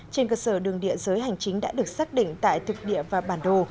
trên cơ sở đường địa giới hành chính đã được xác định tại thực địa và bản đồ